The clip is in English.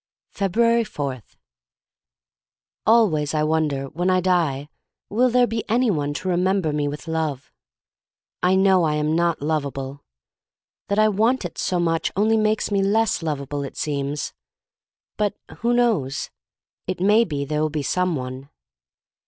jpebruars 4* ALWAYS I wonder, when I die will there be any one to remem ber me with love? I know I am not lovable. That I want it so much only makes me less lovable, it seems. But — who knows? — it may be there will be some one.